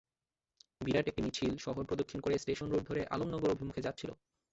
বিরাট একটি মিছিল শহর প্রদক্ষিণ করে স্টেশন রোড ধরে আলমনগর অভিমুখে যাচ্ছিল।